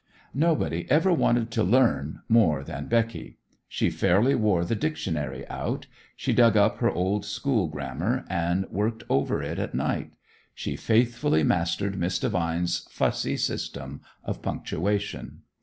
Nobody ever wanted to learn more than Becky. She fairly wore the dictionary out. She dug up her old school grammar and worked over it at night. She faithfully mastered Miss Devine's fussy system of punctuation.